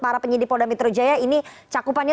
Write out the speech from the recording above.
para penyidik polda metro jaya ini cakupannya